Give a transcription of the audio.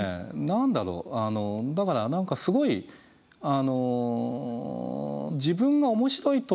何だろうだから何かすごい自分が面白いと思う